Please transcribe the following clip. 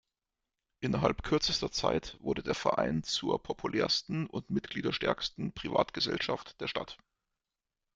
Innerhalb kürzester Zeit wurde der Verein zur populärsten und mitgliederstärksten Privatgesellschaft der Stadt.